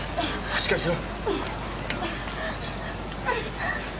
しっかりしろ。